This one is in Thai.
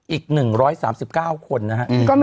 อีก๑๓๙คนนะครับ